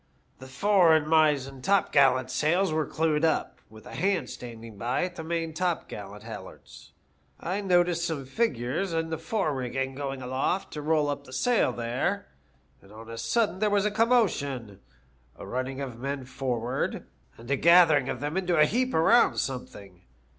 The fore and mizen topgallant sails were clewed up, with a hand standing by at the main topgallant halUards. I noticed some figures in the forerigging going aloft to roll up the sail 260 CAN THESE DBF BONES LIVEf there, and then on a sudden there was a commotion, a running of men forward, and a gathering of them into a heap around something.